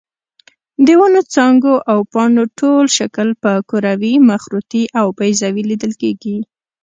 د ونو څانګو او پاڼو ټول شکل په کروي، مخروطي او بیضوي لیدل کېږي.